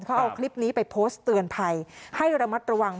เขาเอาคลิปนี้ไปโพสต์เตือนภัยให้ระมัดระวัง